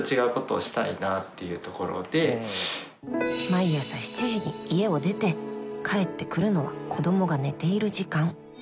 毎朝７時に家を出て帰ってくるのは子供が寝ている時間。